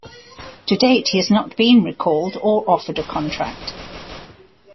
To date, he has not been recalled or offered a contract.